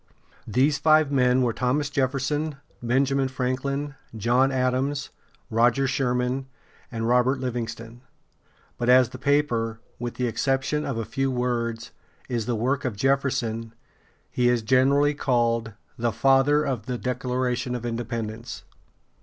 These five men were Thomas Jef´fer son, Benjamin Franklin, John Adams, Roger Sherman, and Robert Liv´ing ston; but as the paper, with the exception of a few words, is the work of Jefferson, he is generally called the "Father of the Declaration of Independence."